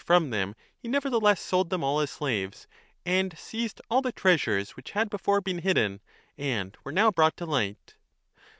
2 i 349 b from them he nevertheless sold them all as slaves, and seized all the treasures which had before been hidden and were now brought to light.